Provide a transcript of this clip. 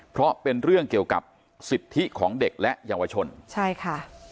เพราะเป็นเรื่องเกี่ยวกับสิทธิของเด็กและเยาวชนใช่ค่ะ